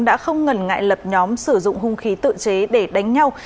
đã không ngần ngại lập nhóm sử dụng hung khí tự chế để đánh nhau